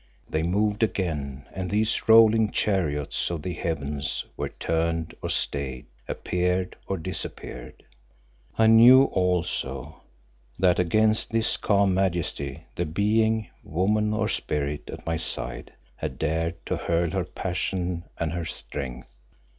They moved again and these rolling chariots of the heavens were turned or stayed, appeared or disappeared. I knew also that against this calm Majesty the being, woman or spirit, at my side had dared to hurl her passion and her strength.